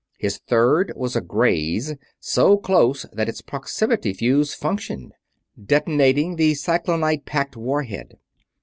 His third was a graze; so close that its proximity fuze functioned, detonating the cyclonite packed war head.